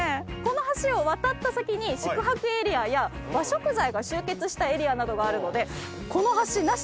この橋を渡った先に宿泊エリアや和食材が集結したエリアなどがあるので。